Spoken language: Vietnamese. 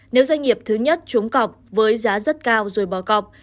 nếu doanh nghiệp thứ nhất trúng cọp với giá rất cao rồi bỏ cọc